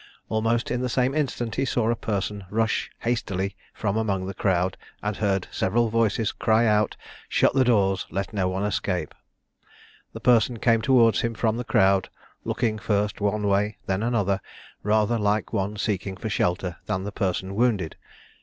Almost in the same instant he saw a person rush hastily from among the crowd, and heard several voices cry out, "Shut the doors let no one escape." The person came towards him from the crowd, looking first one way, then another, rather like one seeking for shelter than the person wounded.